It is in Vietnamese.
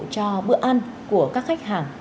cho bữa ăn của các khách hàng